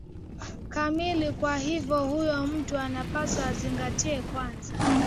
kamili kwa hivyo huyo mtu anapaswa azingatie kwanza